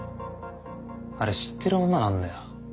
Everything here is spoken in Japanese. あれ知ってる女なんだよ。